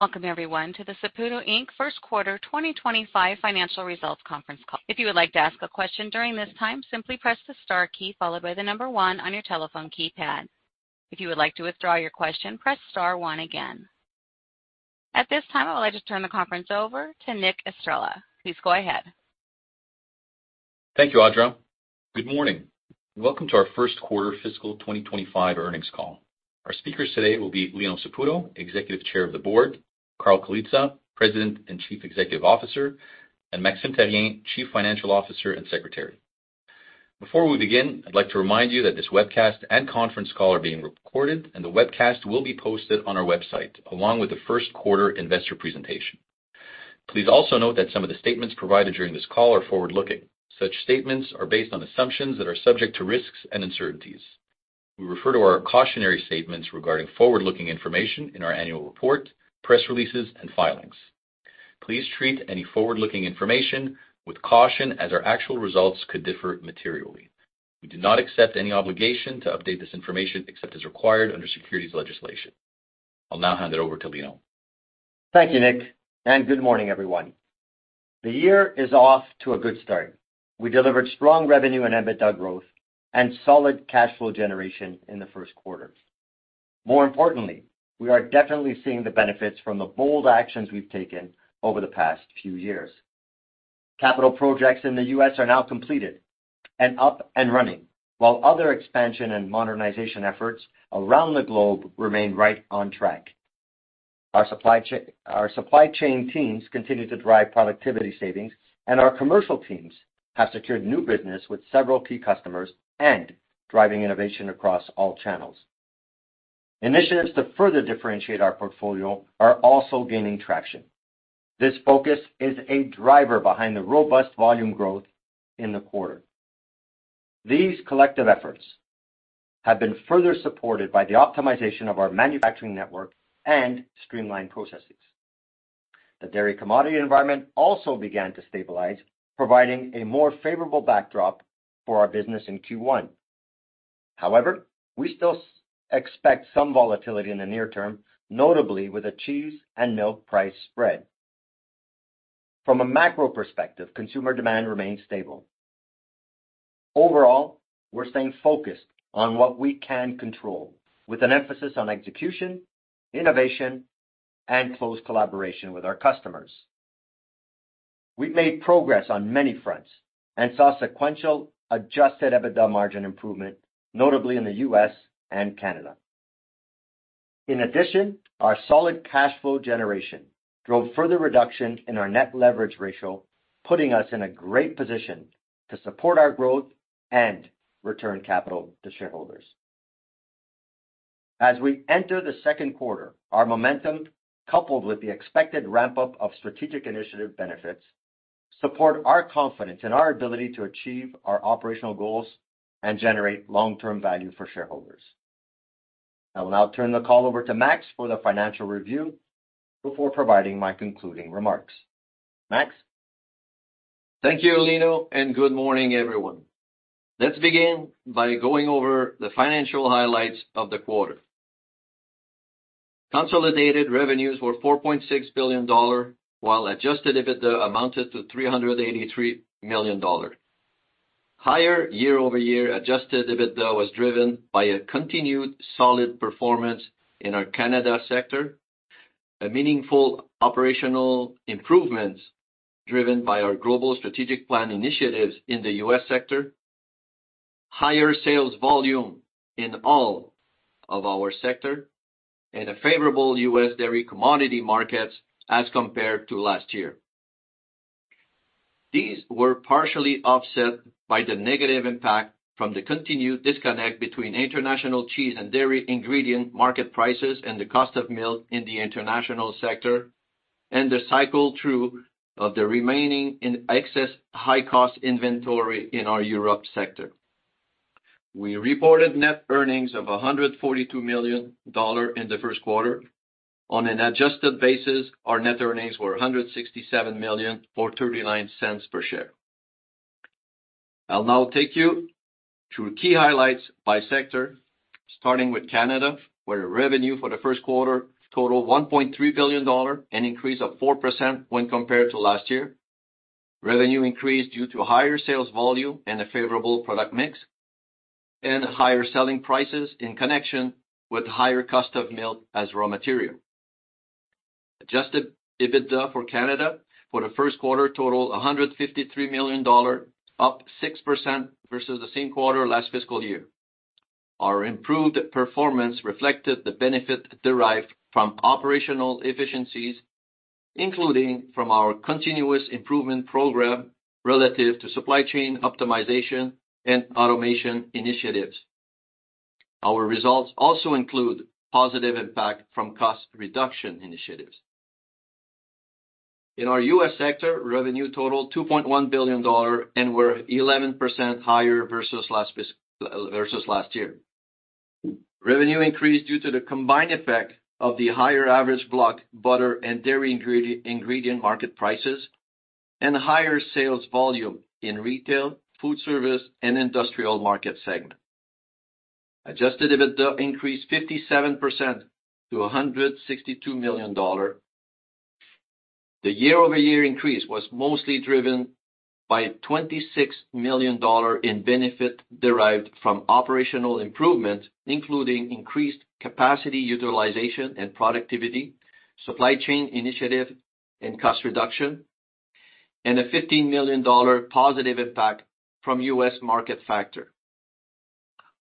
Welcome, everyone, to the Saputo Inc. First Quarter 2025 Financial Results conference call. If you would like to ask a question during this time, simply press the star key followed by the number one on your telephone keypad. If you would like to withdraw your question, press star one again. At this time, I would like to turn the conference over to Nick Estrela. Please go ahead. Thank you, Audra. Good morning, and welcome to our First Quarter Fiscal 2025 earnings call. Our speakers today will be Lino Saputo, Executive Chair of the Board, Carl Colizza, President and Chief Executive Officer, and Maxime Therrien, Chief Financial Officer and Secretary. Before we begin, I'd like to remind you that this webcast and conference call are being recorded, and the webcast will be posted on our website, along with the first quarter investor presentation. Please also note that some of the statements provided during this call are forward-looking. Such statements are based on assumptions that are subject to risks and uncertainties. We refer to our cautionary statements regarding forward-looking information in our annual report, press releases, and filings. Please treat any forward-looking information with caution, as our actual results could differ materially. We do not accept any obligation to update this information except as required under securities legislation. I'll now hand it over to Lino. Thank you, Nick, and good morning, everyone. The year is off to a good start. We delivered strong revenue and EBITDA growth and solid cash flow generation in the first quarter. More importantly, we are definitely seeing the benefits from the bold actions we've taken over the past few years. Capital projects in the U.S. are now completed and up and running, while other expansion and modernization efforts around the globe remain right on track. Our supply chain teams continue to drive productivity savings, and our commercial teams have secured new business with several key customers and driving innovation across all channels. Initiatives to further differentiate our portfolio are also gaining traction. This focus is a driver behind the robust volume growth in the quarter. These collective efforts have been further supported by the optimization of our manufacturing network and streamlined processes. The dairy commodity environment also began to stabilize, providing a more favorable backdrop for our business in Q1. However, we still expect some volatility in the near term, notably with the cheese and milk price spread. From a macro perspective, consumer demand remains stable. Overall, we're staying focused on what we can control, with an emphasis on execution, innovation, and close collaboration with our customers. We've made progress on many fronts and saw sequential adjusted EBITDA margin improvement, notably in the U.S. and Canada. In addition, our solid cash flow generation drove further reduction in our net leverage ratio, putting us in a great position to support our growth and return capital to shareholders. As we enter the second quarter, our momentum, coupled with the expected ramp-up of strategic initiative benefits, support our confidence in our ability to achieve our operational goals and generate long-term value for shareholders. I will now turn the call over to Max for the financial review before providing my concluding remarks. Max? Thank you, Lino, and good morning, everyone. Let's begin by going over the financial highlights of the quarter. Consolidated revenues were 4.6 billion dollar, while adjusted EBITDA amounted to 383 million dollar. Higher year-over-year adjusted EBITDA was driven by a continued solid performance in our Canada sector, a meaningful operational improvements driven by our Global Strategic Plan initiatives in the U.S. sector, higher sales volume in all of our sector, and a favorable U.S. dairy commodity markets as compared to last year. These were partially offset by the negative impact from the continued disconnect between international cheese and dairy ingredient market prices and the cost of milk in the international sector, and the cycle through of the remaining in excess high-cost inventory in our Europe sector. We reported net earnings of 142 million dollars in the first quarter. On an adjusted basis, our net earnings were 167 million, or 0.39 per share. I'll now take you through key highlights by sector, starting with Canada, where the revenue for the first quarter totaled 1.3 billion dollar, an increase of 4% when compared to last year. Revenue increased due to higher sales volume and a favorable product mix, and higher selling prices in connection with higher cost of milk as raw material. Adjusted EBITDA for Canada for the first quarter totaled 153 million dollar, up 6% versus the same quarter last fiscal year. Our improved performance reflected the benefit derived from operational efficiencies, including from our continuous improvement program relative to supply chain optimization and automation initiatives. Our results also include positive impact from cost reduction initiatives. In our U.S. sector, revenue totaled $2.1 billion and were 11% higher versus last year. Revenue increased due to the combined effect of the higher average block, butter, and dairy ingredient market prices, and higher sales volume in retail, food service, and industrial market segment. Adjusted EBITDA increased 57% to $162 million. The year-over-year increase was mostly driven by $26 million in benefit derived from operational improvements, including increased capacity, utilization, and productivity, supply chain initiative and cost reduction, and a $15 million positive impact from U.S. market factor.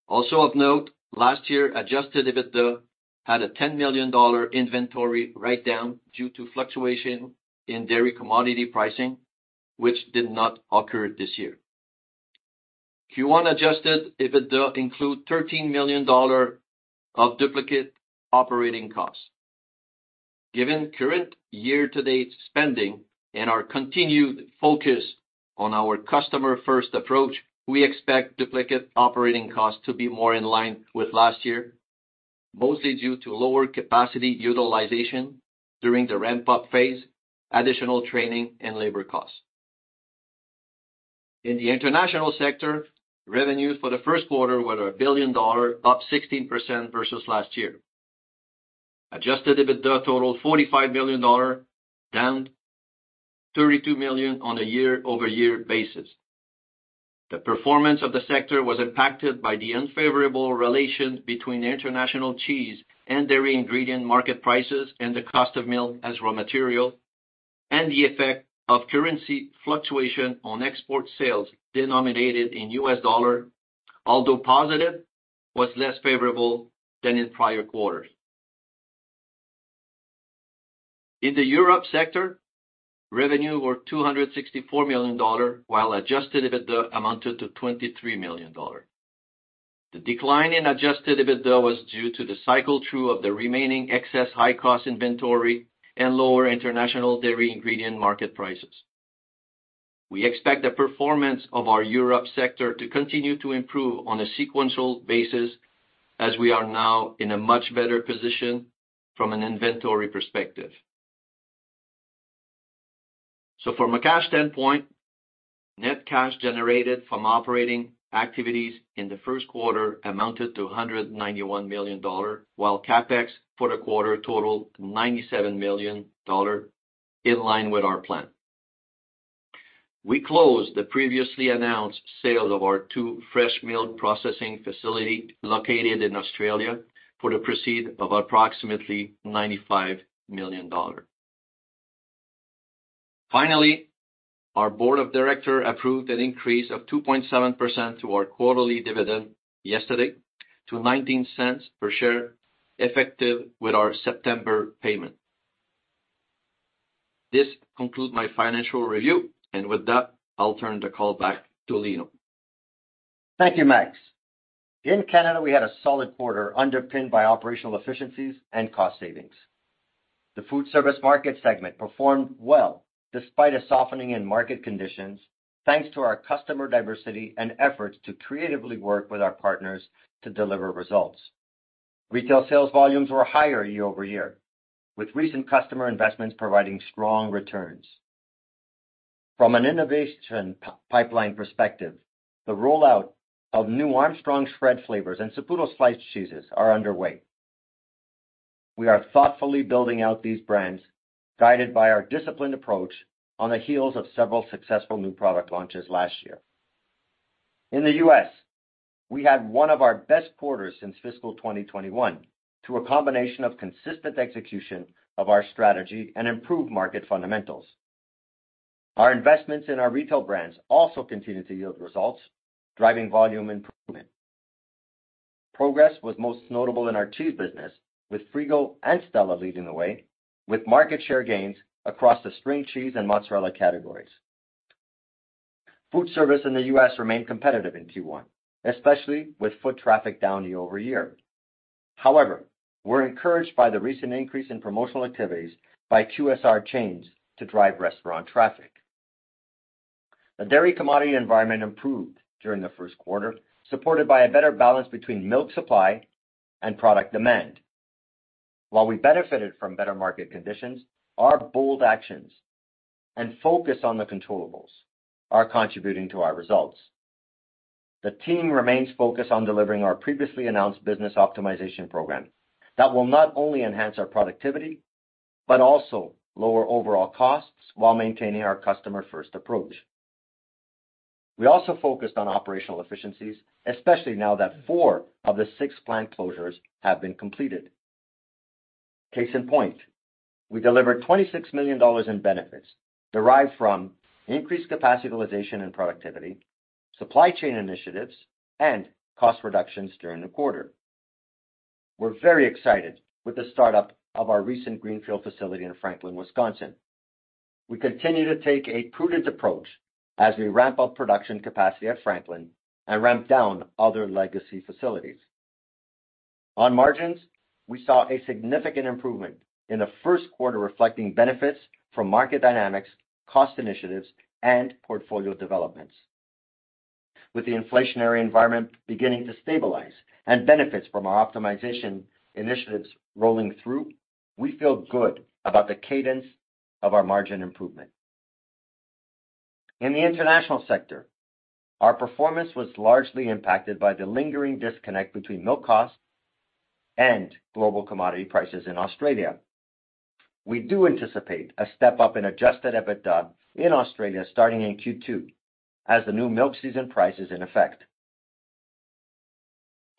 Also of note, last year, adjusted EBITDA had a $10 million inventory write-down due to fluctuation in dairy commodity pricing, which did not occur this year. Q1 adjusted EBITDA include $13 million of duplicate operating costs. Given current year-to-date spending and our continued focus on our customer-first approach, we expect duplicate operating costs to be more in line with last year, mostly due to lower capacity utilization during the ramp-up phase, additional training and labor costs. In the international sector, revenues for the first quarter were 1 billion dollars, up 16% versus last year. Adjusted EBITDA totaled 45 million dollars, down 32 million on a year-over-year basis. The performance of the sector was impacted by the unfavorable relations between the international cheese and dairy ingredient market prices, and the cost of milk as raw material, and the effect of currency fluctuation on export sales denominated in U.S. dollar, although positive, was less favorable than in prior quarters. In the Europe sector, revenues were 264 million dollar, while adjusted EBITDA amounted to 23 million dollar. The decline in adjusted EBITDA was due to the cycle through of the remaining excess high-cost inventory and lower international dairy ingredient market prices. We expect the performance of our Europe sector to continue to improve on a sequential basis as we are now in a much better position from an inventory perspective. So from a cash standpoint, net cash generated from operating activities in the first quarter amounted to 191 million dollar, while CapEx for the quarter totaled 97 million dollar, in line with our plan. We closed the previously announced sale of our two fresh milk processing facilities, located in Australia, for proceeds of approximately 95 million dollars. Finally, our board of directors approved an increase of 2.7% to our quarterly dividend yesterday to 0.19 per share, effective with our September payment. This concludes my financial review, and with that, I'll turn the call back to Lino. Thank you, Max. In Canada, we had a solid quarter underpinned by operational efficiencies and cost savings. The food service market segment performed well, despite a softening in market conditions, thanks to our customer diversity and efforts to creatively work with our partners to deliver results. Retail sales volumes were higher year-over-year, with recent customer investments providing strong returns. From an innovation pipeline perspective, the rollout of new Armstrong spread flavors and Saputo sliced cheeses are underway. We are thoughtfully building out these brands, guided by our disciplined approach on the heels of several successful new product launches last year. In the US, we had one of our best quarters since fiscal 2021, through a combination of consistent execution of our strategy and improved market fundamentals. Our investments in our retail brands also continue to yield results, driving volume improvement. Progress was most notable in our cheese business, with Frigo and Stella leading the way, with market share gains across the string cheese and mozzarella categories. Food service in the U.S. remained competitive in Q1, especially with foot traffic down year-over-year. However, we're encouraged by the recent increase in promotional activities by QSR chains to drive restaurant traffic. The dairy commodity environment improved during the first quarter, supported by a better balance between milk supply and product demand. While we benefited from better market conditions, our bold actions and focus on the controllables are contributing to our results. The team remains focused on delivering our previously announced business optimization program that will not only enhance our productivity, but also lower overall costs while maintaining our customer-first approach. We also focused on operational efficiencies, especially now that four of the six plant closures have been completed. Case in point, we delivered $26 million in benefits derived from increased capacity utilization and productivity, supply chain initiatives, and cost reductions during the quarter. We're very excited with the startup of our recent greenfield facility in Franklin, Wisconsin. We continue to take a prudent approach as we ramp up production capacity at Franklin and ramp down other legacy facilities. On margins, we saw a significant improvement in the first quarter, reflecting benefits from market dynamics, cost initiatives, and portfolio developments. With the inflationary environment beginning to stabilize and benefits from our optimization initiatives rolling through, we feel good about the cadence of our margin improvement. In the international sector, our performance was largely impacted by the lingering disconnect between milk costs and global commodity prices in Australia. We do anticipate a step-up in adjusted EBITDA in Australia, starting in Q2, as the new milk season price is in effect.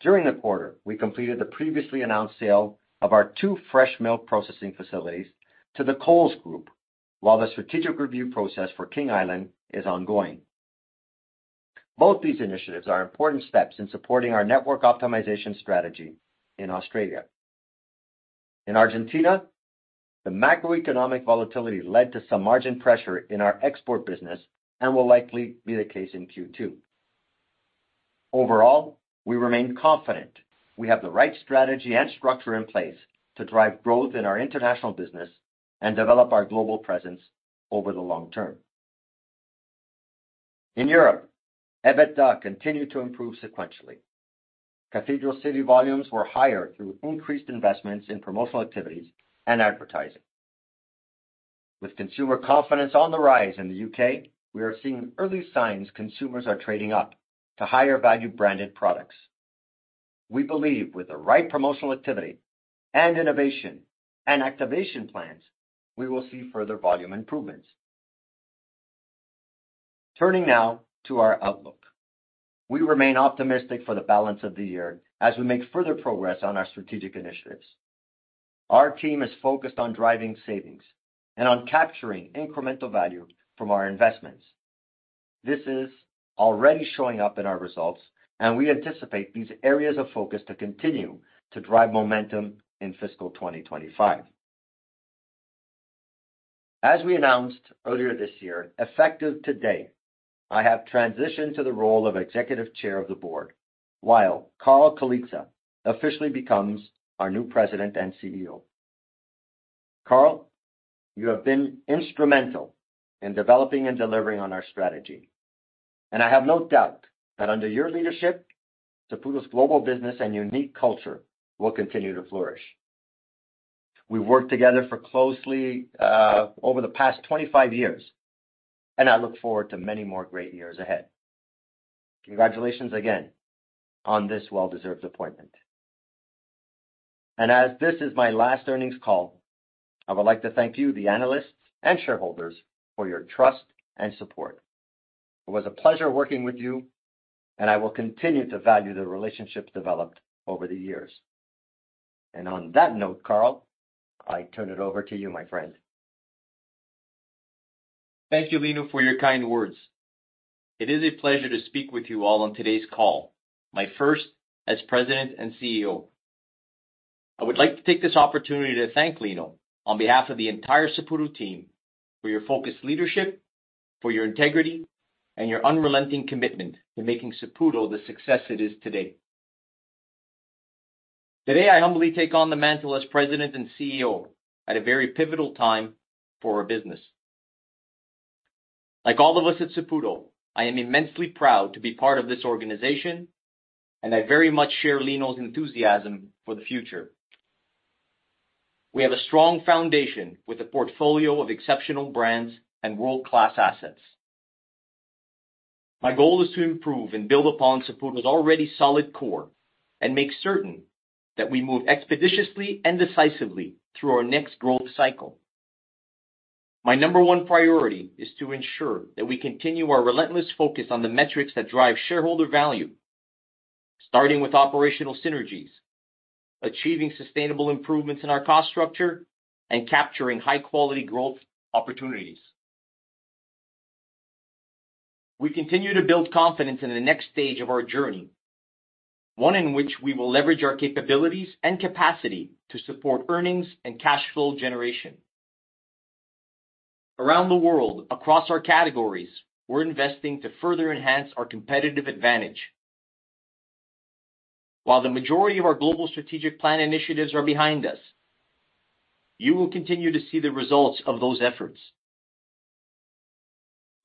During the quarter, we completed the previously announced sale of our two fresh milk processing facilities to the Coles Group, while the strategic review process for King Island is ongoing. Both these initiatives are important steps in supporting our network optimization strategy in Australia. In Argentina, the macroeconomic volatility led to some margin pressure in our export business and will likely be the case in Q2. Overall, we remain confident we have the right strategy and structure in place to drive growth in our international business and develop our global presence over the long term. In Europe, EBITDA continued to improve sequentially. Cathedral City volumes were higher through increased investments in promotional activities and advertising. With consumer confidence on the rise in the U.K., we are seeing early signs consumers are trading up to higher value branded products. We believe with the right promotional activity and innovation and activation plans, we will see further volume improvements. Turning now to our outlook. We remain optimistic for the balance of the year as we make further progress on our strategic initiatives. Our team is focused on driving savings and on capturing incremental value from our investments. This is already showing up in our results, and we anticipate these areas of focus to continue to drive momentum in fiscal 2025. As we announced earlier this year, effective today, I have transitioned to the role of Executive Chair of the board, while Carl Colizza officially becomes our new President and CEO. Carl, you have been instrumental in developing and delivering on our strategy, and I have no doubt that under your leadership, Saputo's global business and unique culture will continue to flourish. We've worked together for closely over the past 25 years, and I look forward to many more great years ahead. Congratulations again on this well-deserved appointment. As this is my last earnings call, I would like to thank you, the analysts and shareholders, for your trust and support. It was a pleasure working with you, and I will continue to value the relationships developed over the years. On that note, Carl, I turn it over to you, my friend. Thank you, Lino, for your kind words. It is a pleasure to speak with you all on today's call, my first as president and CEO. I would like to take this opportunity to thank Lino, on behalf of the entire Saputo team, for your focused leadership, for your integrity, and your unrelenting commitment in making Saputo the success it is today. Today, I humbly take on the mantle as president and CEO at a very pivotal time for our business. Like all of us at Saputo, I am immensely proud to be part of this organization, and I very much share Lino's enthusiasm for the future. We have a strong foundation with a portfolio of exceptional brands and world-class assets. My goal is to improve and build upon Saputo's already solid core and make certain that we move expeditiously and decisively through our next growth cycle. My number one priority is to ensure that we continue our relentless focus on the metrics that drive shareholder value, starting with operational synergies, achieving sustainable improvements in our cost structure, and capturing high-quality growth opportunities. We continue to build confidence in the next stage of our journey, one in which we will leverage our capabilities and capacity to support earnings and cash flow generation. Around the world, across our categories, we're investing to further enhance our competitive advantage. While the majority of our global strategic plan initiatives are behind us, you will continue to see the results of those efforts.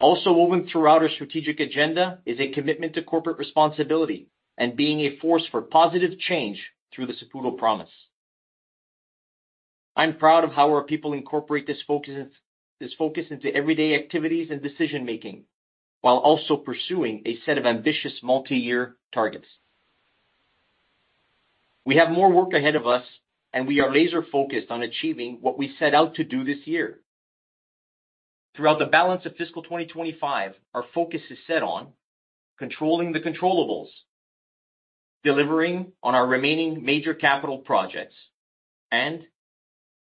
Also, woven throughout our strategic agenda is a commitment to corporate responsibility and being a force for positive change through the Saputo Promise. I'm proud of how our people incorporate this focus, this focus into everyday activities and decision-making, while also pursuing a set of ambitious multi-year targets. We have more work ahead of us, and we are laser-focused on achieving what we set out to do this year. Throughout the balance of fiscal 2025, our focus is set on controlling the controllables, delivering on our remaining major capital projects, and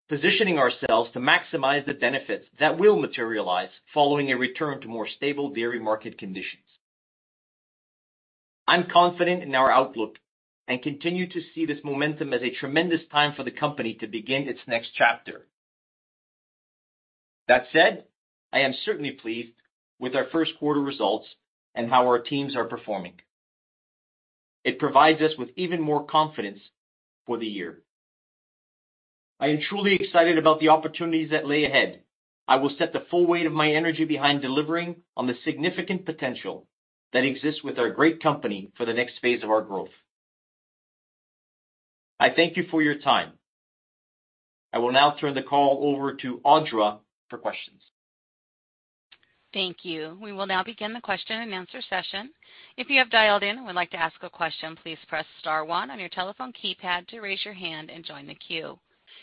positioning ourselves to maximize the benefits that will materialize following a return to more stable dairy market conditions. I'm confident in our outlook and continue to see this momentum as a tremendous time for the company to begin its next chapter. That said, I am certainly pleased with our first quarter results and how our teams are performing. It provides us with even more confidence for the year. I am truly excited about the opportunities that lay ahead. I will set the full weight of my energy behind delivering on the significant potential that exists with our great company for the next phase of our growth. I thank you for your time. I will now turn the call over to Audra for questions. Thank you. We will now begin the question and answer session. If you have dialed in and would like to ask a question, please press star one on your telephone keypad to raise your hand and join the queue.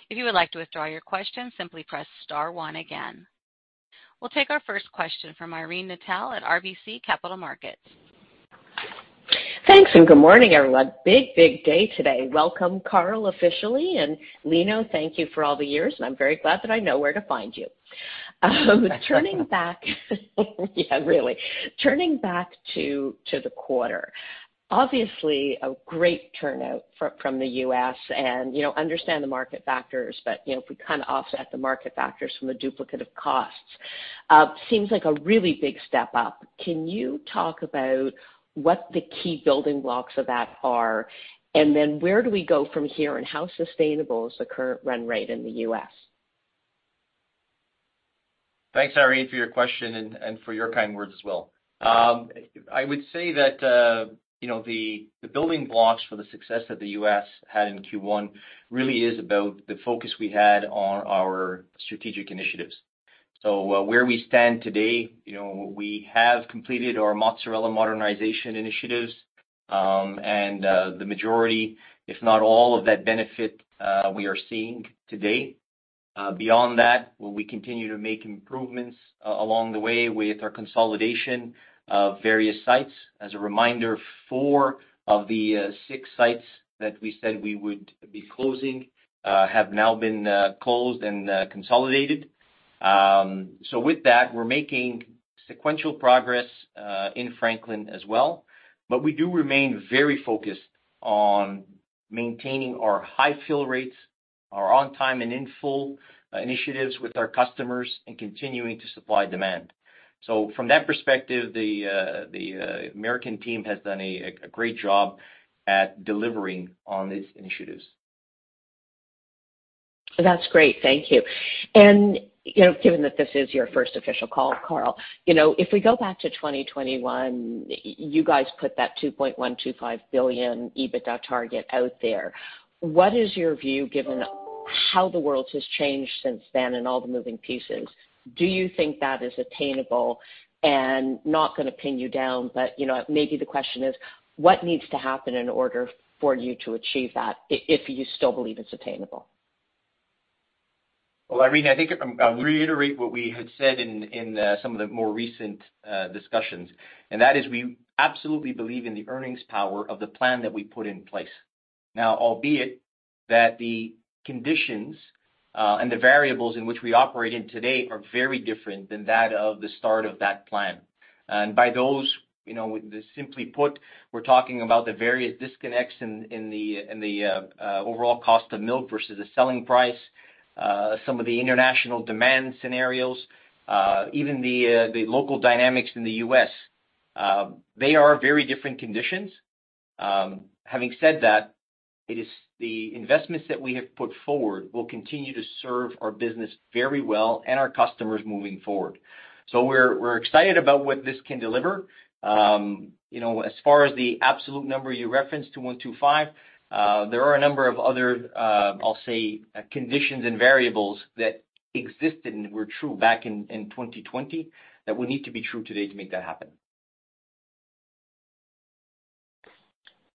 If you would like to withdraw your question, simply press star one again. We'll take our first question from Irene Nattel at RBC Capital Markets. Thanks, and good morning, everyone. Big, big day today. Welcome, Carl, officially, and Lino, thank you for all the years, and I'm very glad that I know where to find you. Turning back to the quarter, obviously a great turnout from the U.S. and, you know, understand the market factors, but, you know, if we kind of offset the market factors from the duplicative costs, seems like a really big step up. Can you talk about what the key building blocks of that are? And then where do we go from here, and how sustainable is the current run rate in the U.S.? Thanks, Irene, for your question and for your kind words as well. I would say that, you know, the building blocks for the success that the U.S. had in Q1 really is about the focus we had on our strategic initiatives. So, where we stand today, you know, we have completed our mozzarella modernization initiatives, and the majority, if not all of that benefit, we are seeing today. Beyond that, we continue to make improvements along the way with our consolidation of various sites. As a reminder, four of the six sites that we said we would be closing have now been closed and consolidated. So with that, we're making sequential progress in Franklin as well, but we do remain very focused on maintaining our high fill rates, our on time and in full initiatives with our customers, and continuing to supply demand. So from that perspective, the American team has done a great job at delivering on these initiatives. That's great. Thank you. And, you know, given that this is your first official call, Carl, you know, if we go back to 2021, you guys put that 2.125 billion EBITDA target out there. What is your view, given how the world has changed since then and all the moving pieces? Do you think that is attainable? And not gonna pin you down, but, you know, maybe the question is: what needs to happen in order for you to achieve that, if you still believe it's attainable? Well, Irene, I think I'll reiterate what we had said in some of the more recent discussions, and that is we absolutely believe in the earnings power of the plan that we put in place. Now, albeit that the conditions and the variables in which we operate in today are very different than that of the start of that plan. And by those, you know, simply put, we're talking about the various disconnects in the overall cost of milk versus the selling price, some of the international demand scenarios, even the local dynamics in the U.S. They are very different conditions. Having said that, it is the investments that we have put forward will continue to serve our business very well and our customers moving forward. So we're excited about what this can deliver. You know, as far as the absolute number, you referenced to 125, there are a number of other, I'll say, conditions and variables that existed and were true back in 2020, that would need to be true today to make that happen.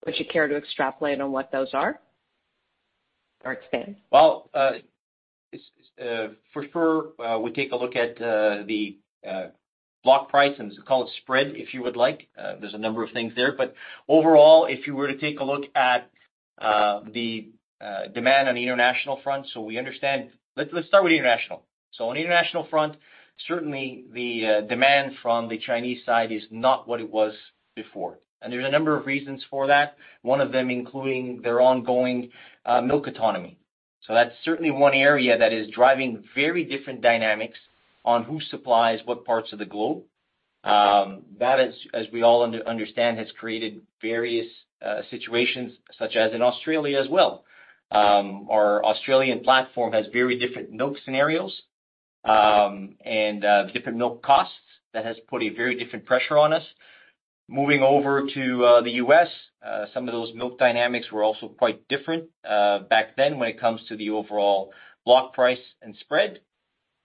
Would you care to extrapolate on what those are or expand? Well, for sure, we take a look at the block price and call it spread, if you would like. There's a number of things there, but overall, if you were to take a look at the demand on the international front, so we understand. Let's start with international. So on the international front, certainly the demand from the Chinese side is not what it was before, and there's a number of reasons for that, one of them including their ongoing milk autonomy. So that's certainly one area that is driving very different dynamics on who supplies what parts of the globe. That is, as we all understand, has created various situations, such as in Australia as well. Our Australian platform has very different milk scenarios and different milk costs. That has put a very different pressure on us. Moving over to the U.S., some of those milk dynamics were also quite different back then when it comes to the overall block price and spread.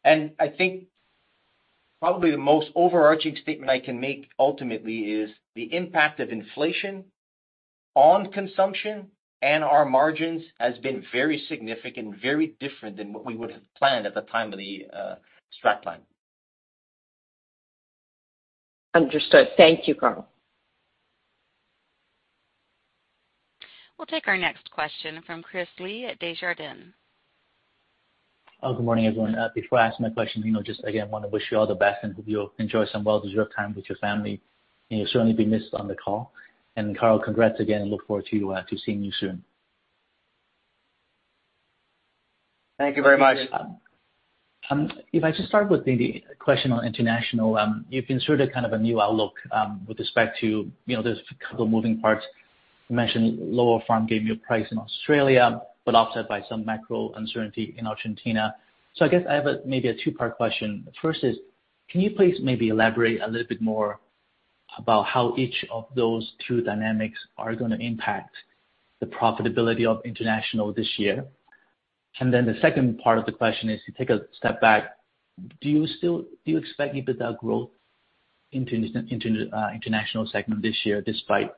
I think probably the most overarching statement I can make, ultimately, is the impact of inflation on consumption and our margins has been very significant, very different than what we would have planned at the time of the strat plan. Understood. Thank you, Carl. We'll take our next question from Chris Li at Desjardins. Good morning, everyone. Before I ask my question, Lino, just again want to wish you all the best and hope you'll enjoy some well-deserved time with your family, and you'll certainly be missed on the call. Carl, congrats again, and look forward to seeing you soon. Thank you very much. If I just start with the question on international, you've inserted kind of a new outlook, with respect to, you know, there's a couple of moving parts. You mentioned lower farm gate milk price in Australia, but offset by some macro uncertainty in Argentina. So I guess I have a maybe a two-part question. First is, can you please maybe elaborate a little bit more about how each of those two dynamics are gonna impact the profitability of international this year? And then the second part of the question is, to take a step back, do you still expect EBITDA growth into international segment this year, despite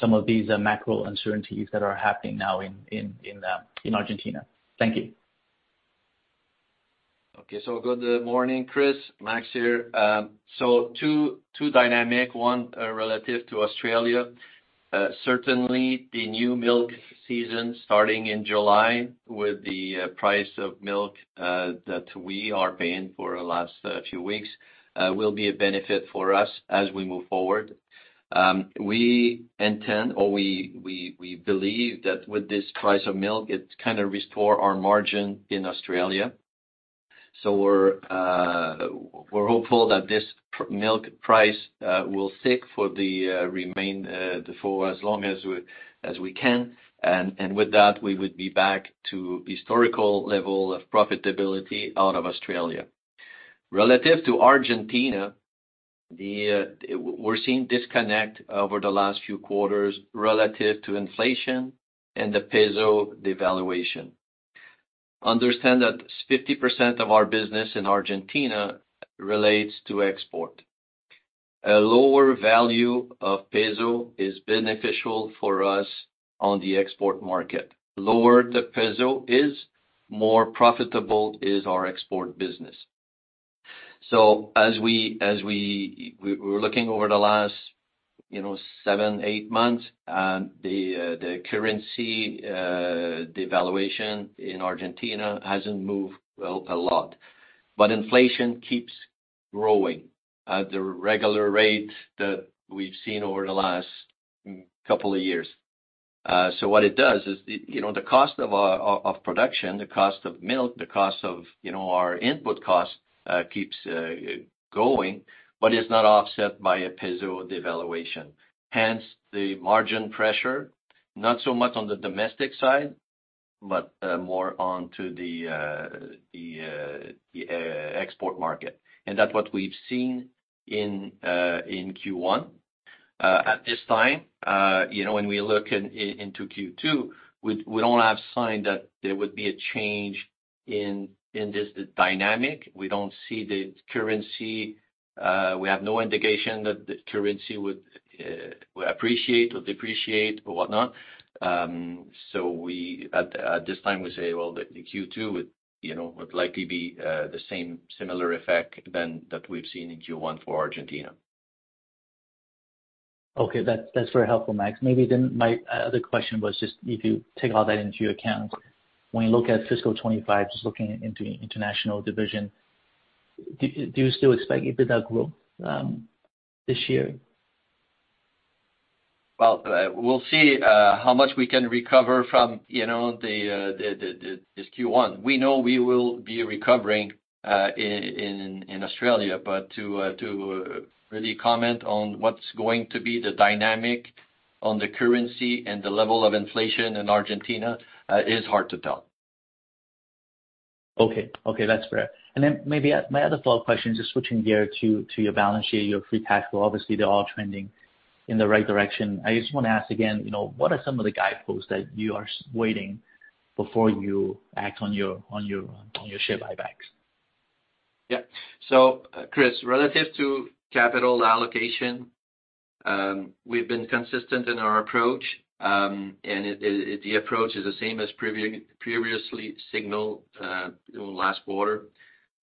some of these macro uncertainties that are happening now in Argentina? Thank you. Okay. So good morning, Chris. Max here. So two dynamics, one relative to Australia. Certainly the new milk season starting in July with the price of milk that we are paying for the last few weeks will be a benefit for us as we move forward. We intend, or we believe that with this milk price, it's kind of restore our margin in Australia. So we're hopeful that this milk price will stick for the remainder for as long as we can. And with that, we would be back to historical level of profitability out of Australia. Relative to Argentina, we're seeing disconnect over the last few quarters relative to inflation and the peso devaluation. Understand that 50% of our business in Argentina relates to export. A lower value of peso is beneficial for us on the export market. Lower the peso is, more profitable is our export business. So as we're looking over the last, you know, seven, eight months, and the currency devaluation in Argentina hasn't moved, well, a lot. But inflation keeps growing at the regular rate that we've seen over the last couple of years. So what it does is, you know, the cost of production, the cost of milk, the cost of, you know, our input cost, keeps going, but it's not offset by a peso devaluation. Hence, the margin pressure, not so much on the domestic side, but more onto the export market. And that's what we've seen in Q1. At this time, you know, when we look into Q2, we don't have sign that there would be a change in this dynamic. We don't see the currency. We have no indication that the currency would appreciate or depreciate or whatnot. So at this time, we say, well, the Q2 would, you know, would likely be the same similar effect than that we've seen in Q1 for Argentina. Okay. That's, that's very helpful, Max. Maybe then my other question was just if you take all that into your account, when you look at fiscal 2025, just looking into international division, do you still expect EBITDA growth this year? Well, we'll see how much we can recover from, you know, this Q1. We know we will be recovering in Australia, but to really comment on what's going to be the dynamic on the currency and the level of inflation in Argentina is hard to tell. Okay. Okay, that's fair. And then maybe my other follow-up question, just switching gear to, to your balance sheet, your free cash flow, obviously, they're all trending in the right direction. I just wanna ask again, you know, what are some of the guideposts that you are waiting before you act on your, on your, on your share buybacks? Yeah. So, Chris, relative to capital allocation, we've been consistent in our approach, and it, the approach is the same as previously signaled, last quarter.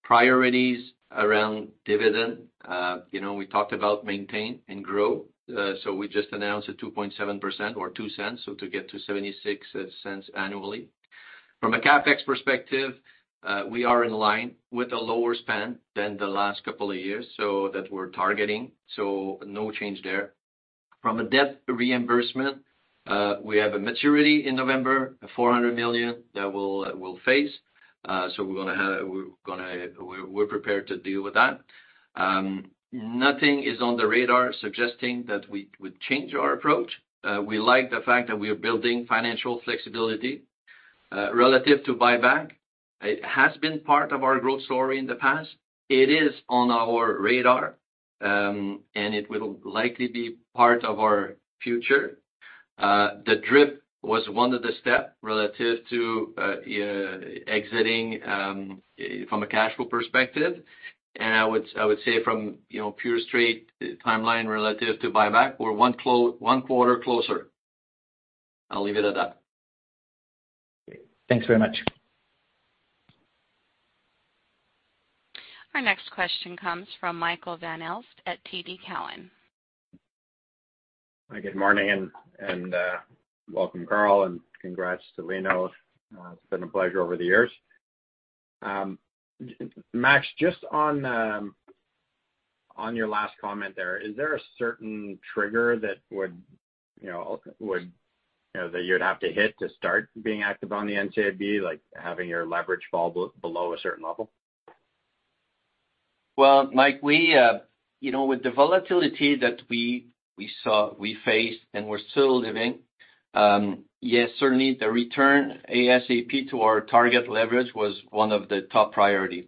Priorities around dividend, you know, we talked about maintain and grow, so we just announced a 2.7% or 0.02, so to get to 0.76 annually. From a CapEx perspective, we are in line with a lower spend than the last couple of years, so that we're targeting, so no change there. From a debt reimbursement, we have a maturity in November, 400 million, that we'll face. So we're gonna, we're prepared to deal with that. Nothing is on the radar suggesting that we would change our approach. We like the fact that we are building financial flexibility. Relative to buyback, it has been part of our growth story in the past. It is on our radar, and it will likely be part of our future. The DRIP was one of the step relative to, exiting, from a cash flow perspective. And I would say from, you know, pure straight timeline relative to buyback, we're one quarter closer. I'll leave it at that. Thanks very much. Our next question comes from Michael Van Aelst at TD Cowen. Hi, good morning, welcome, Carl, and congrats to Lino. It's been a pleasure over the years. Max, just on your last comment there, is there a certain trigger that would, you know, that you'd have to hit to start being active on the NCIB, like having your leverage fall below a certain level? Well, Mike, we, you know, with the volatility that we we saw, we faced, and we're still living. Yes, certainly the return ASAP to our target leverage was one of the top priority.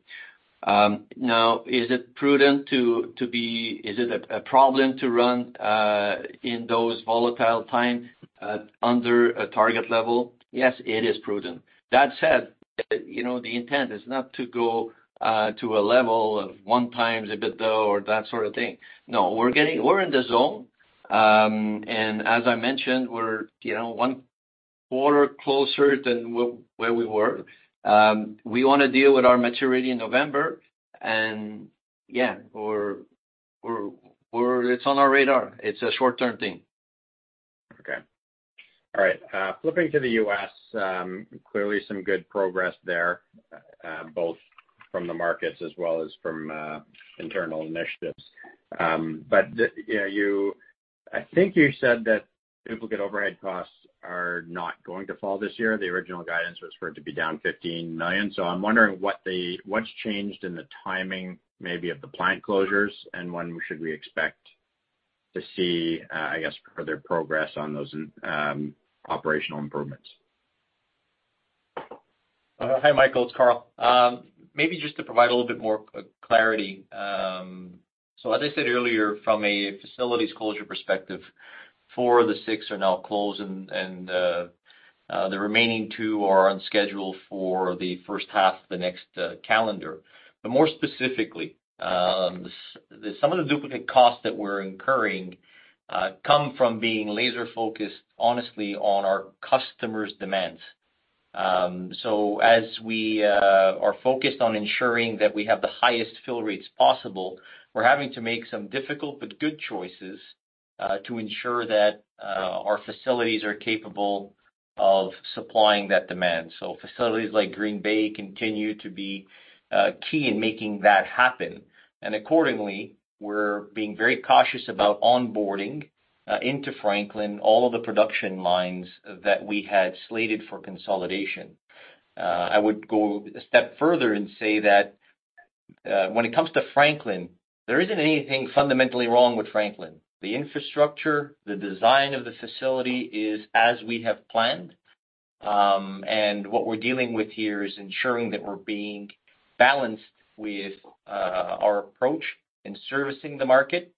Now, is it prudent to be-- is it a problem to run in those volatile time under a target level? Yes, it is prudent. That said, you know, the intent is not to go to a level of one times EBITDA or that sort of thing. No, we're getting-- we're in the zone. And as I mentioned, we're, you know, one quarter closer than where we were. We wanna deal with our maturity in November, and yeah, it's on our radar. It's a short-term thing. Okay. All right, flipping to the U.S., clearly some good progress there, both from the markets as well as from internal initiatives. But the, you know, you—I think you said that duplicate overhead costs are not going to fall this year. The original guidance was for it to be down 15 million. So I'm wondering what the—what's changed in the timing, maybe of the plant closures, and when should we expect to see, I guess, further progress on those operational improvements? Hi, Michael, it's Carl. Maybe just to provide a little bit more clarity. So as I said earlier, from a facilities closure perspective, four of the six are now closed, and the remaining two are on schedule for the first half of the next calendar. But more specifically, some of the duplicate costs that we're incurring come from being laser-focused, honestly, on our customers' demands. So as we are focused on ensuring that we have the highest fill rates possible, we're having to make some difficult but good choices to ensure that our facilities are capable of supplying that demand. So facilities like Green Bay continue to be key in making that happen. Accordingly, we're being very cautious about onboarding into Franklin all of the production lines that we had slated for consolidation. I would go a step further and say that, when it comes to Franklin, there isn't anything fundamentally wrong with Franklin. The infrastructure, the design of the facility is as we have planned. What we're dealing with here is ensuring that we're being balanced with our approach in servicing the market,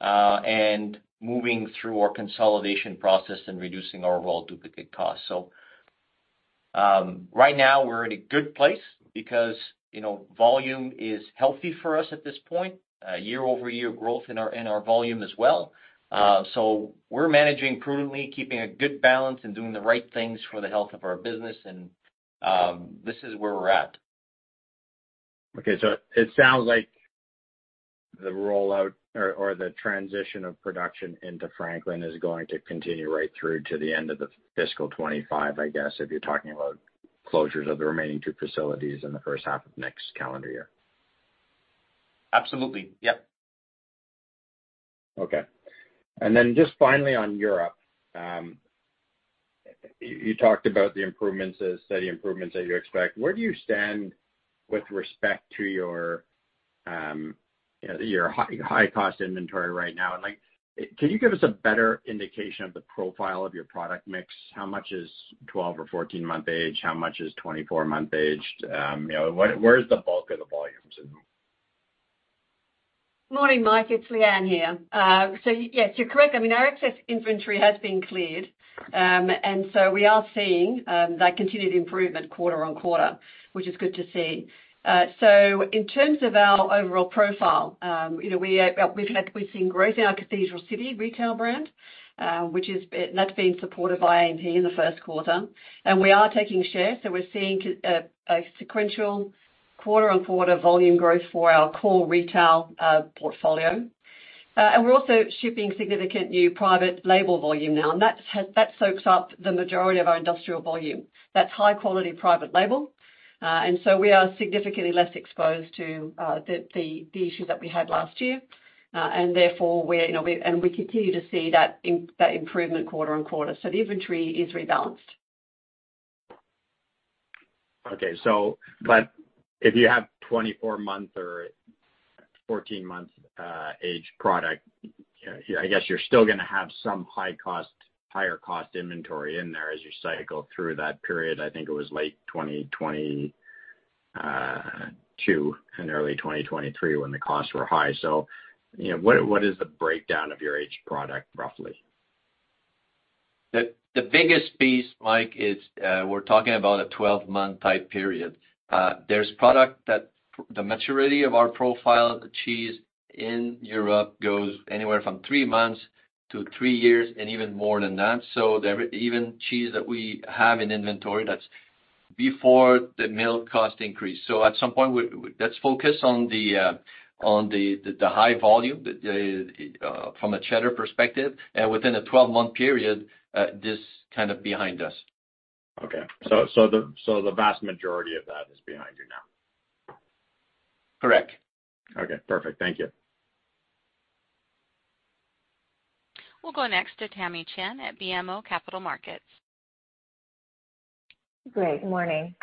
and moving through our consolidation process and reducing our overall duplicate costs. So, right now, we're in a good place because, you know, volume is healthy for us at this point, year-over-year growth in our volume as well. So we're managing prudently, keeping a good balance and doing the right things for the health of our business, and this is where we're at. Okay, so it sounds like the rollout or, or the transition of production into Franklin is going to continue right through to the end of the fiscal 2025, I guess, if you're talking about closures of the remaining two facilities in the first half of next calendar year. Absolutely. Yep. Okay. And then just finally on Europe, you talked about the improvements, the steady improvements that you expect. Where do you stand with respect to your, you know, your high, high-cost inventory right now? And, like, can you give us a better indication of the profile of your product mix? How much is 12 or 14 month age? How much is 24 month age? You know, where, where is the bulk of the volumes in them? Morning, Mike, it's Leanne here. So yes, you're correct. I mean, our excess inventory has been cleared. And so we are seeing that continued improvement quarter-on-quarter, which is good to see. So in terms of our overall profile, you know, we've seen growth in our Cathedral City retail brand, which is, that's been supported by A&P in the first quarter. And we are taking share, so we're seeing a sequential quarter-on-quarter volume growth for our core retail portfolio. And we're also shipping significant new private label volume now, and that soaks up the majority of our industrial volume. That's high-quality private label. And so we are significantly less exposed to the issue that we had last year. Therefore, we're, you know, and we continue to see that improvement quarter-over-quarter. So the inventory is rebalanced. Okay, so but if you have 24-month or 14-month aged product, I guess you're still gonna have some high cost, higher cost inventory in there as you cycle through that period. I think it was late 2020, 2022 and early 2023, when the costs were high. So, you know, what, what is the breakdown of your aged product, roughly? The biggest piece, Mike, is we're talking about a 12-month type period. There's product that the maturity of our profile, the cheese in Europe, goes anywhere from three months to three years and even more than that. So even cheese that we have in inventory, that's before the milk cost increase. So at some point, let's focus on the high volume from a Cheddar perspective, and within a 12-month period, this kind of behind us. Okay. So the vast majority of that is behind you now? Correct. Okay, perfect. Thank you. We'll go next to Tamy Chen at BMO Capital Markets. Great. Good morning.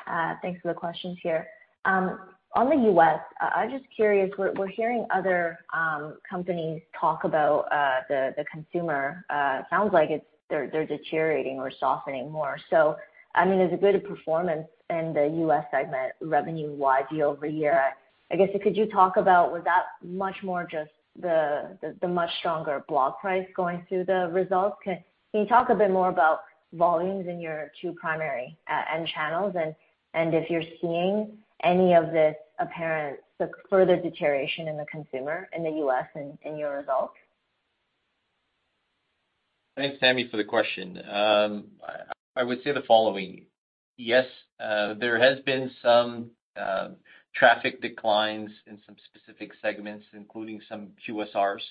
Thanks for the questions here. On the U.S., I'm just curious. We're hearing other companies talk about the consumer. Sounds like it's, they're deteriorating or softening more. So, I mean, there's a good performance in the U.S. segment, revenue year-over-year. I guess, could you talk about, was that much more just the much stronger block price going through the results? Can you talk a bit more about volumes in your two primary end channels, and if you're seeing any of this apparent further deterioration in the consumer in the U.S. in your results? Thanks, Tammy, for the question. I would say the following: Yes, there has been some traffic declines in some specific segments, including some QSRs.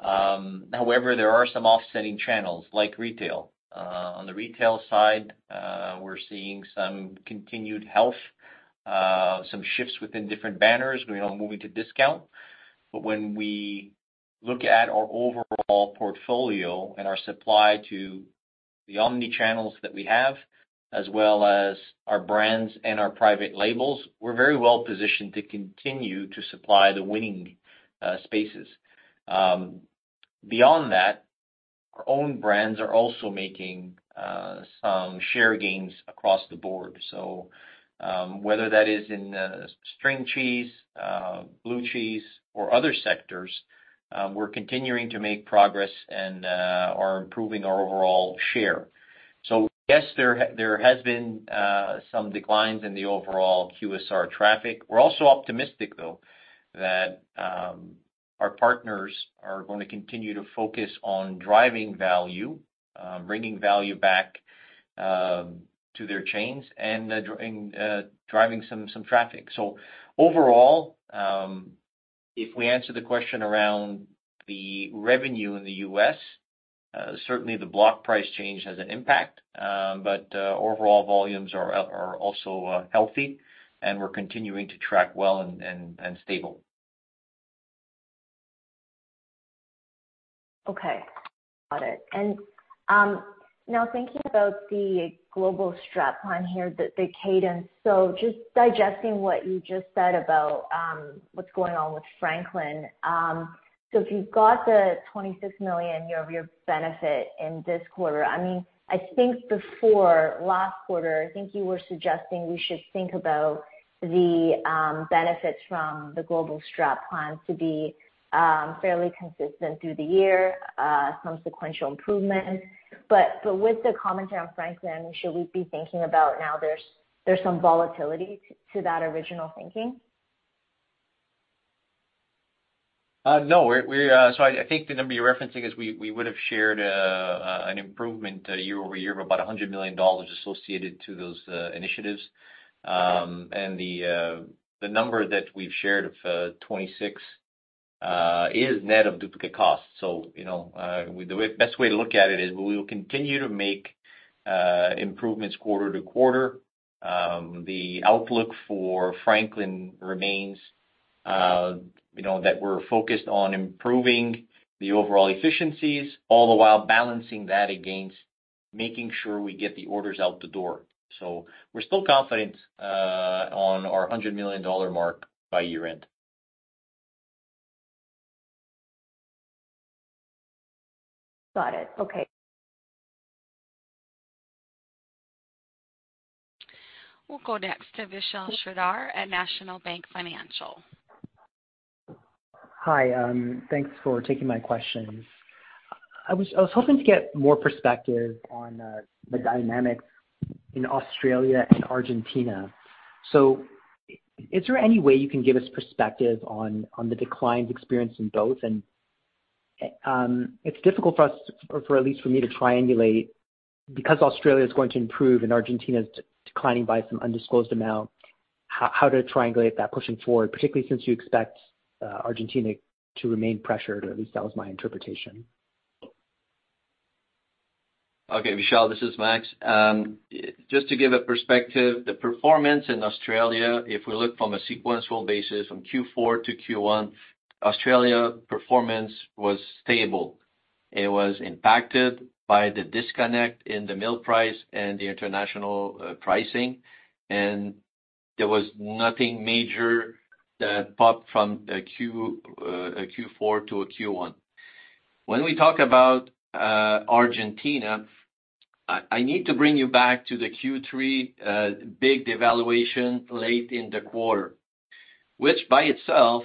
However, there are some offsetting channels like retail. On the retail side, we're seeing some continued health, some shifts within different banners, you know, moving to discount. But when we look at our overall portfolio and our supply to the omnichannels that we have, as well as our brands and our private labels, we're very well positioned to continue to supply the winning spaces. Beyond that, our own brands are also making some share gains across the board. So, whether that is in string cheese, blue cheese, or other sectors, we're continuing to make progress and are improving our overall share. So yes, there has been some declines in the overall QSR traffic. We're also optimistic, though, that our partners are gonna continue to focus on driving value, bringing value back to their chains and driving some traffic. So overall, if we answer the question around the revenue in the U.S., certainly the block price change has an impact. But overall volumes are also healthy, and we're continuing to track well and stable. Okay, got it. And now thinking about the global strategic plan here, the cadence, so just digesting what you just said about what's going on with Franklin. So if you've got the 26 million year-over-year benefit in this quarter, I mean, I think before last quarter, I think you were suggesting we should think about the benefits from the global strategic plan to be fairly consistent through the year, some sequential improvement. But with the commentary on Franklin, should we be thinking about now there's some volatility to that original thinking? No, we're... So I think the number you're referencing is we would've shared an improvement year-over-year of about $100 million associated to those initiatives. And the number that we've shared of 26 is net of duplicate costs. So, you know, the best way to look at it is we will continue to make improvements quarter-to-quarter. The outlook for Franklin remains, you know, that we're focused on improving the overall efficiencies, all the while balancing that against making sure we get the orders out the door. So we're still confident on our $100 million mark by year end. Got it. Okay. We'll go next to Vishal Shreedhar at National Bank Financial. Hi, thanks for taking my questions. I was hoping to get more perspective on the dynamics in Australia and Argentina. So is there any way you can give us perspective on the declines experienced in both? And it's difficult for us, or for at least for me, to triangulate, because Australia is going to improve and Argentina is declining by some undisclosed amount, how to triangulate that pushing forward, particularly since you expect Argentina to remain pressured, or at least that was my interpretation. Okay, Vishal, this is Max. Just to give a perspective, the performance in Australia, if we look from a sequential basis, from Q4-Q1, Australia performance was stable. It was impacted by the disconnect in the milk price and the international pricing, and there was nothing major that popped from a Q4-Q1. When we talk about Argentina, I need to bring you back to the Q3 big devaluation late in the quarter, which by itself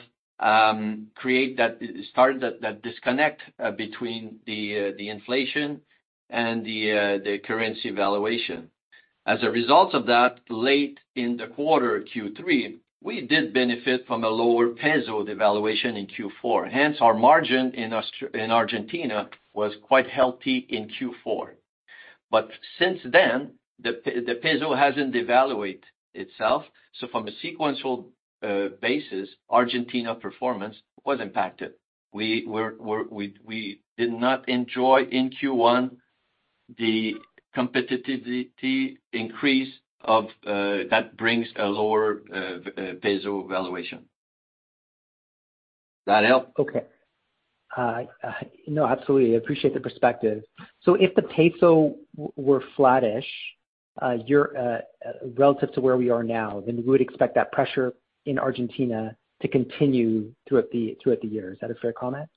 started that disconnect between the inflation and the currency valuation. As a result of that, late in the quarter, Q3, we did benefit from a lower peso devaluation in Q4. Hence, our margin in Argentina was quite healthy in Q4. But since then, the peso hasn't devalued itself, so from a sequential basis, Argentina performance was impacted. We did not enjoy in Q1 the competitiveness increase of that brings a lower peso devaluation. Does that help? Okay. No, absolutely, I appreciate the perspective. So if the peso were flattish, your relative to where we are now, then we would expect that pressure in Argentina to continue throughout the year. Is that a fair comment?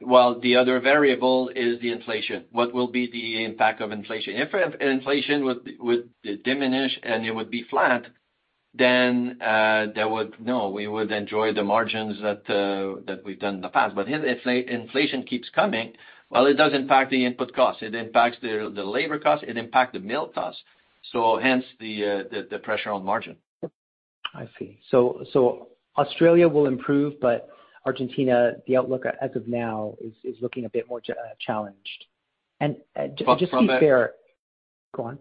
Well, the other variable is the inflation. What will be the impact of inflation? If inflation would diminish and it would be flat, then there would. No, we would enjoy the margins that we've done in the past. But if inflation keeps coming, well, it does impact the input costs. It impacts the labor costs, it impact the milk costs, so hence the pressure on margin. I see. So Australia will improve, but Argentina, the outlook as of now is looking a bit more challenged. And just to be fair- From a-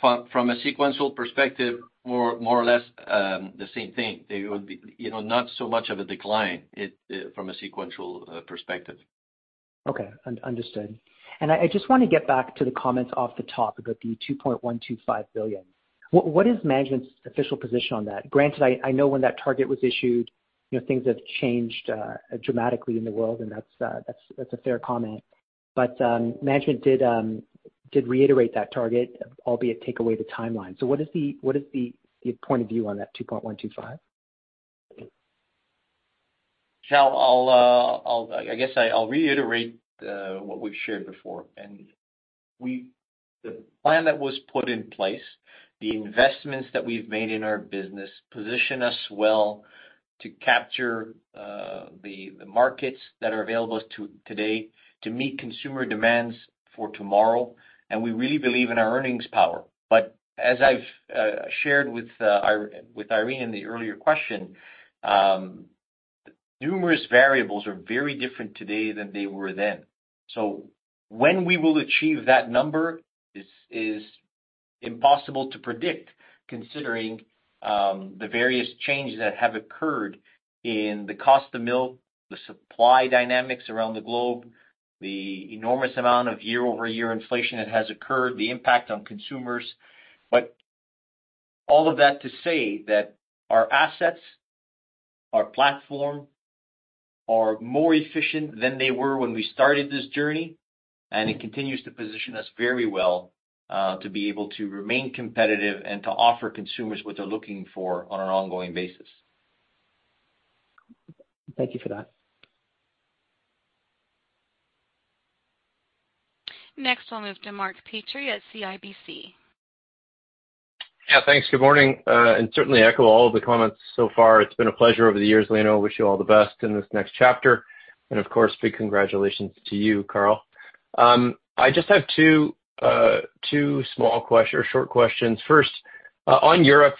Go on. From a sequential perspective, more or less the same thing. There will be, you know, not so much of a decline, it from a sequential perspective. Okay, understood. And I just want to get back to the comments off the top about the 2.125 billion. What is management's official position on that? Granted, I know when that target was issued, you know, things have changed dramatically in the world, and that's, that's a fair comment. But, management did reiterate that target, albeit take away the timeline. So what is the point of view on that 2.125 billion? Carl, I'll reiterate what we've shared before, and we. The plan that was put in place, the investments that we've made in our business, position us well to capture the markets that are available to us today, to meet consumer demands for tomorrow, and we really believe in our earnings power. But as I've shared with Irene in the earlier question, numerous variables are very different today than they were then. So when we will achieve that number is impossible to predict, considering the various changes that have occurred in the cost of milk, the supply dynamics around the globe, the enormous amount of year-over-year inflation that has occurred, the impact on consumers. All of that to say that our assets, our platform, are more efficient than they were when we started this journey, and it continues to position us very well to be able to remain competitive and to offer consumers what they're looking for on an ongoing basis. Thank you for that. Next, we'll move to Mark Petrie at CIBC. Yeah, thanks. Good morning, and certainly echo all of the comments so far. It's been a pleasure over the years, Lino. I wish you all the best in this next chapter, and of course, big congratulations to you, Carl. I just have two, two small or short questions. First, on Europe,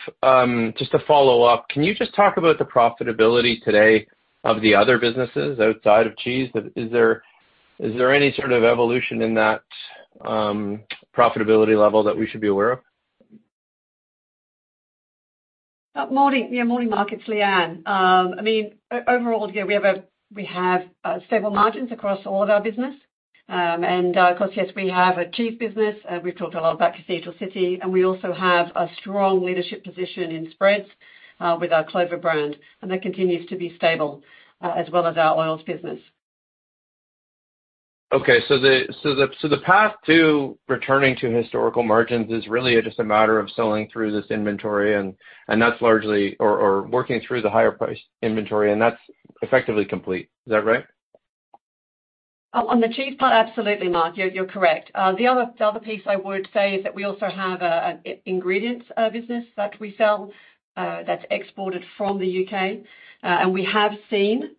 just to follow up, can you just talk about the profitability today of the other businesses outside of cheese? Is there, is there any sort of evolution in that, profitability level that we should be aware of? Morning. Yeah, morning, Mark, it's Leanne. I mean, overall, yeah, we have stable margins across all of our business. And, of course, yes, we have a cheese business. We've talked a lot about Cathedral City, and we also have a strong leadership position in spreads with our Clover brand, and that continues to be stable, as well as our oils business. Okay, so the path to returning to historical margins is really just a matter of selling through this inventory, and that's largely, or working through the higher price inventory, and that's effectively complete. Is that right? On the cheese part, absolutely, Mark, you're correct. The other piece I would say is that we also have an ingredients business that we sell that's exported from the U.K. And we have seen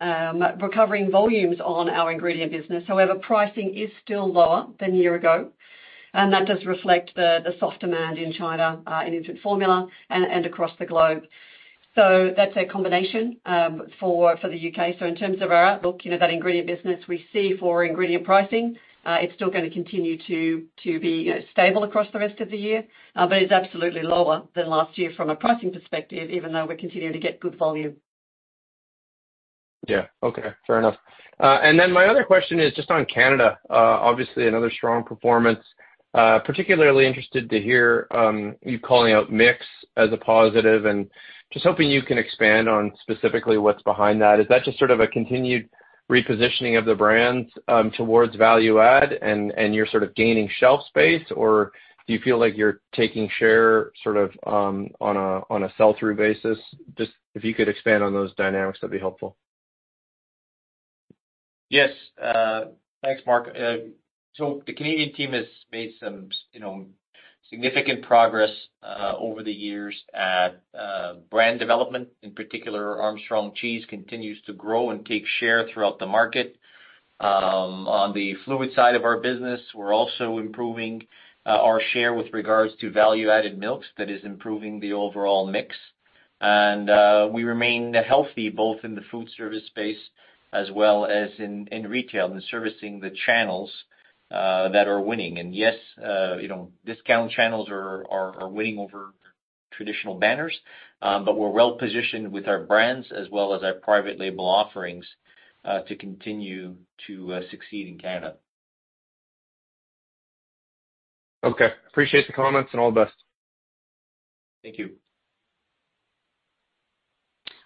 recovering volumes on our ingredient business. However, pricing is still lower than a year ago, and that does reflect the soft demand in China in infant formula and across the globe. So that's a combination for the U.K. So in terms of our outlook, you know, that ingredient business, we see for ingredient pricing, it's still gonna continue to be, you know, stable across the rest of the year. But it's absolutely lower than last year from a pricing perspective, even though we're continuing to get good volume. Yeah. Okay. Fair enough. And then my other question is just on Canada. Obviously another strong performance. Particularly interested to hear you calling out mix as a positive, and just hoping you can expand on specifically what's behind that. Is that just sort of a continued repositioning of the brands towards value add, and you're sort of gaining shelf space? Or do you feel like you're taking share sort of on a sell-through basis? Just if you could expand on those dynamics, that'd be helpful. Yes. Thanks, Mark. So the Canadian team has made some you know, significant progress over the years at brand development. In particular, Armstrong Cheese continues to grow and take share throughout the market. On the fluid side of our business, we're also improving our share with regards to value-added milks. That is improving the overall mix. And we remain healthy both in the food service space as well as in retail and servicing the channels that are winning. And yes, you know, discount channels are winning over traditional banners, but we're well positioned with our brands as well as our private label offerings to continue to succeed in Canada.... Okay, appreciate the comments and all the best. Thank you.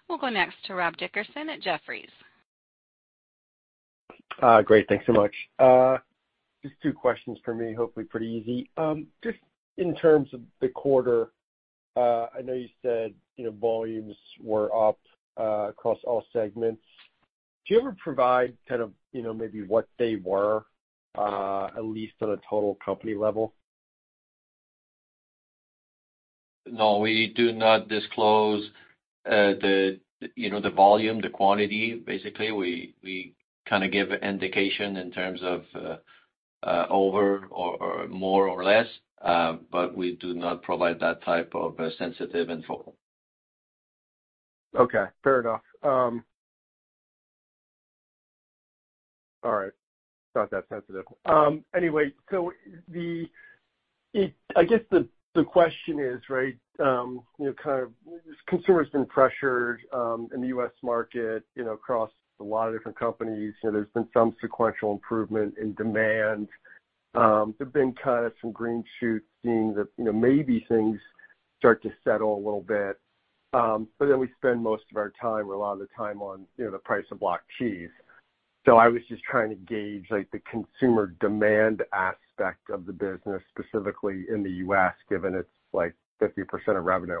We'll go next to Rob Dickerson at Jefferies. Great, thanks so much. Just two questions for me, hopefully pretty easy. Just in terms of the quarter, I know you said, you know, volumes were up across all segments. Do you ever provide kind of, you know, maybe what they were at least on a total company level? No, we do not disclose, you know, the volume, the quantity. Basically, we kind of give an indication in terms of over or more or less, but we do not provide that type of sensitive info. Okay, fair enough. All right, it's not that sensitive. Anyway, so the question is, right, you know, kind of consumer's been pressured in the U.S. market, you know, across a lot of different companies, and there's been some sequential improvement in demand. There have been kind of some green shoots, seeing that, you know, maybe things start to settle a little bit. But then we spend most of our time, or a lot of the time on, you know, the price of block cheese. So I was just trying to gauge, like, the consumer demand aspect of the business, specifically in the U.S., given it's, like, 50% of revenue.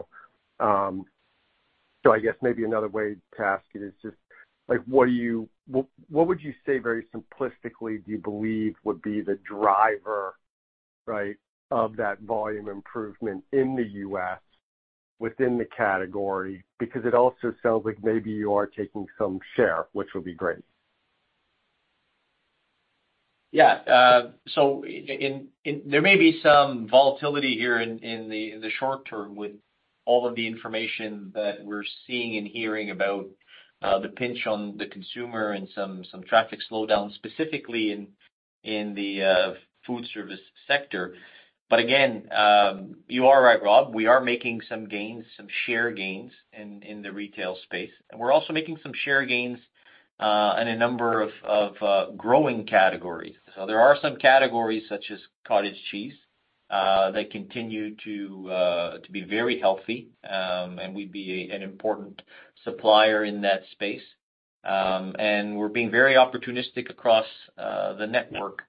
I guess maybe another way to ask it is just, like, what would you say very simplistically, do you believe would be the driver, right, of that volume improvement in the U.S. within the category? Because it also sounds like maybe you are taking some share, which would be great. Yeah. So there may be some volatility here in the short term with all of the information that we're seeing and hearing about the pinch on the consumer and some traffic slowdown, specifically in the food service sector. But again, you are right, Rob, we are making some gains, some share gains in the retail space. And we're also making some share gains in a number of growing categories. So there are some categories such as cottage cheese that continue to be very healthy, and we'd be an important supplier in that space. And we're being very opportunistic across the network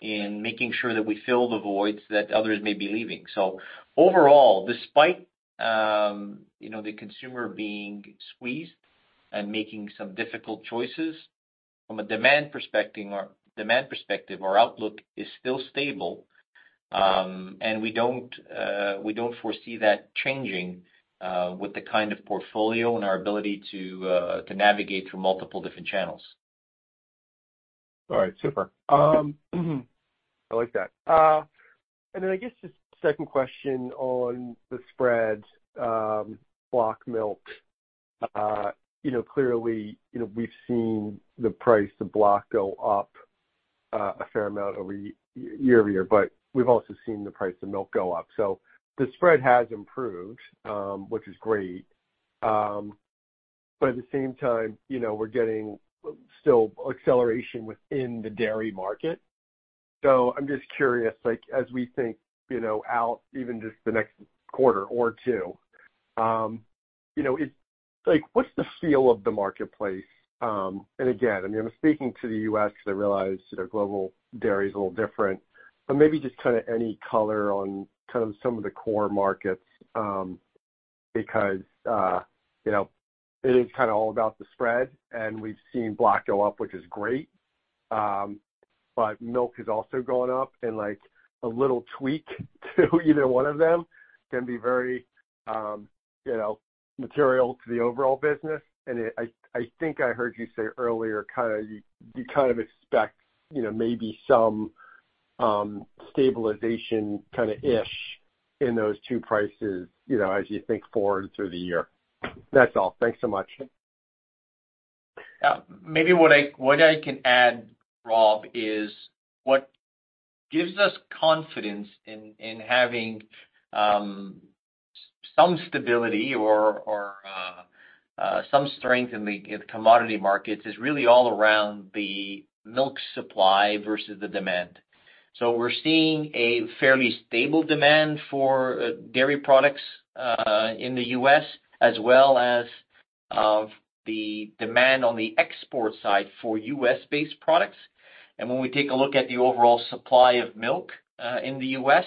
in making sure that we fill the voids that others may be leaving. Overall, despite you know, the consumer being squeezed and making some difficult choices, from a demand perspective or demand perspective, our outlook is still stable, and we don't, we don't foresee that changing, with the kind of portfolio and our ability to to navigate through multiple different channels. All right, super. I like that. And then I guess just second question on the spread, block milk. You know, clearly, you know, we've seen the price of block go up, a fair amount over year-over-year, but we've also seen the price of milk go up. So the spread has improved, which is great, but at the same time, you know, we're getting still acceleration within the dairy market. So I'm just curious, like, as we think, you know, out even just the next quarter or two, you know, it's, like, what's the feel of the marketplace? And again, I mean, I'm speaking to the U.S., 'cause I realize the global dairy is a little different, but maybe just kind of any color on kind of some of the core markets, because, you know, it is kind of all about the spread, and we've seen block go up, which is great. But milk is also going up, and, like, a little tweak to either one of them can be very, you know, material to the overall business. And I think I heard you say earlier, kind of you kind of expect, you know, maybe some stabilization kind of-ish in those two prices, you know, as you think forward through the year. That's all. Thanks so much. Maybe what I can add, Rob, is what gives us confidence in having some stability or some strength in the commodity markets is really all around the milk supply versus the demand. So we're seeing a fairly stable demand for dairy products in the U.S., as well as the demand on the export side for U.S.-based products. And when we take a look at the overall supply of milk in the U.S.,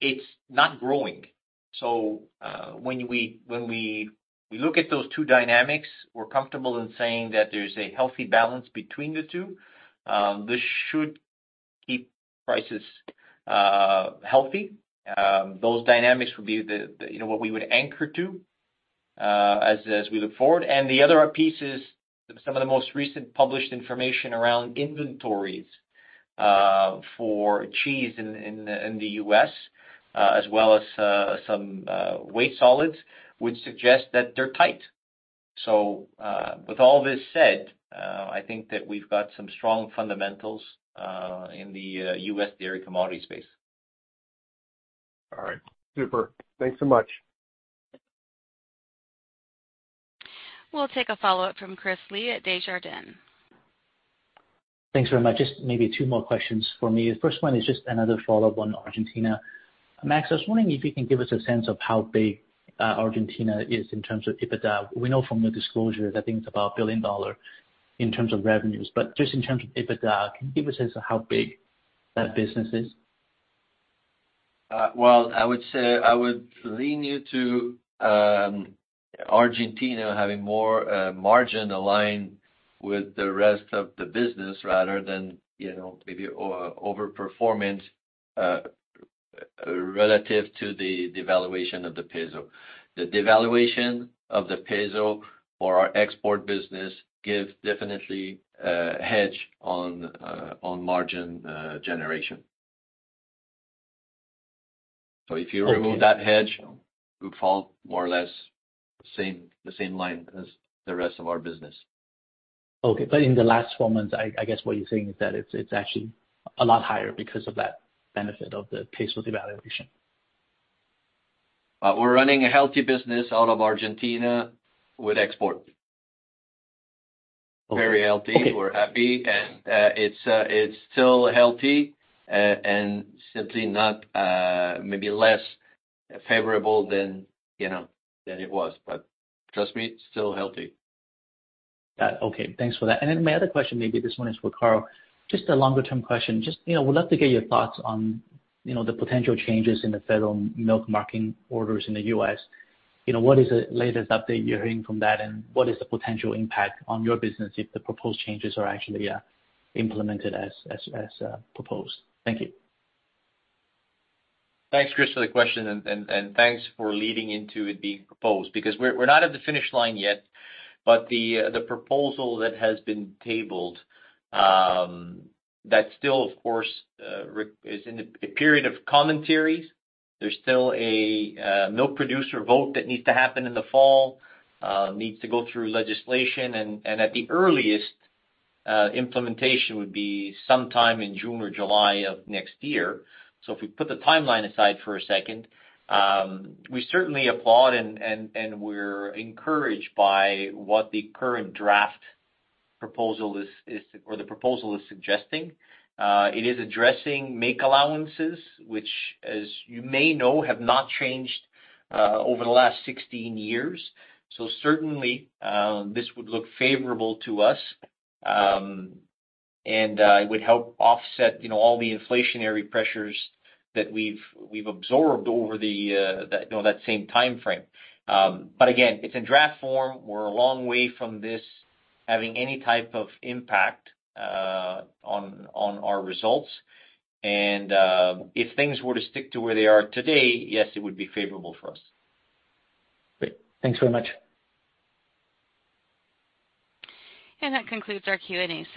it's not growing. So when we look at those two dynamics, we're comfortable in saying that there's a healthy balance between the two. This should keep prices healthy. Those dynamics would be the, you know, what we would anchor to as we look forward. The other piece is some of the most recent published information around inventories for cheese in the U.S., as well as some whey solids, would suggest that they're tight. So, with all this said, I think that we've got some strong fundamentals in the U.S. dairy commodity space. All right. Super. Thanks so much. We'll take a follow-up from Chris Li at Desjardins. Thanks very much. Just maybe two more questions for me. The first one is just another follow-up on Argentina. Max, I was wondering if you can give us a sense of how big Argentina is in terms of EBITDA. We know from the disclosure, I think it's about 1 billion dollar in terms of revenues, but just in terms of EBITDA, can you give a sense of how big that business is? Well, I would say, I would lean you to Argentina having more margin aligned with the rest of the business rather than, you know, maybe over performance relative to the devaluation of the peso. The devaluation of the peso for our export business gives definitely hedge on on margin generation. So if you remove that hedge, we follow more or less same, the same line as the rest of our business. Okay. But in the last four months, I guess what you're saying is that it's actually a lot higher because of that benefit of the peso devaluation. We're running a healthy business out of Argentina with export. Very healthy- Okay. We're happy, and it's still healthy, and simply not, maybe less favorable than, you know, than it was. But trust me, it's still healthy. Okay. Thanks for that. And then my other question, maybe this one is for Carl, just a longer term question. Just, you know, would love to get your thoughts on, you know, the potential changes in the federal milk marketing orders in the U.S. You know, what is the latest update you're hearing from that, and what is the potential impact on your business if the proposed changes are actually implemented as proposed? Thank you. Thanks, Chris, for the question, and thanks for leading into it being proposed, because we're not at the finish line yet, but the proposal that has been tabled, that still, of course, is in a period of commentaries. There's still a milk producer vote that needs to happen in the fall, needs to go through legislation, and at the earliest, implementation would be sometime in June or July of next year. So if we put the timeline aside for a second, we certainly applaud and we're encouraged by what the current draft proposal or the proposal is suggesting. It is addressing Make Allowances, which, as you may know, have not changed over the last 16 years. So certainly, this would look favorable to us, and it would help offset, you know, all the inflationary pressures that we've absorbed over the, that, you know, that same timeframe. But again, it's in draft form. We're a long way from this having any type of impact on our results. And if things were to stick to where they are today, yes, it would be favorable for us. Great. Thanks so much. That concludes our Q&A session.